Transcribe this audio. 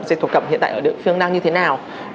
dệt thổ cẩm hiện tại ở địa phương đang như thế nào